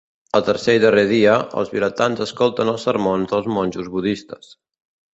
El tercer i darrer dia, els vilatans escolten els sermons dels monjos budistes.